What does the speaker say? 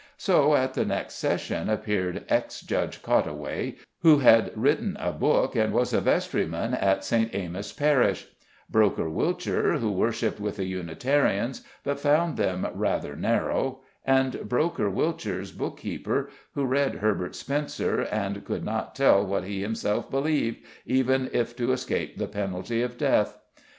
So at the next session appeared ex Judge Cottaway, who had written a book and was a vestryman of St. Amos Parish; Broker Whilcher, who worshiped with the Unitarians, but found them rather narrow, and Broker Whilcher's bookkeeper, who read Herbert Spencer, and could not tell what he himself believed, even if to escape the penalty of death.